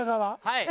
はい。